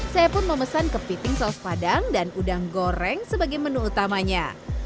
saya pun memesan kepiting saus padang dan udang goreng sebagai menu utamanya